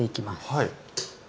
はい。